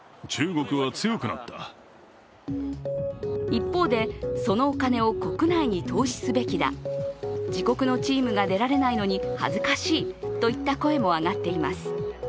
一方で、そのお金を国内に投資すべきだ自国のチームが出られないのに恥ずかしいといった声も上がっています。